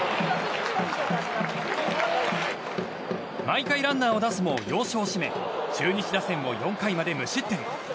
毎回ランナーを出すも要所を締め中日打線を４回まで無失点に。